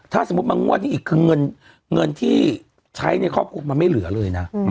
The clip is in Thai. ถ้าสมมุติมางวดนี้อีกคือเงินที่ใช้ในครอบครัวมันไม่เหลือเลยนะ